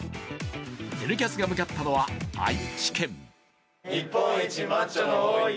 「Ｎキャス」が向かったのは愛知県。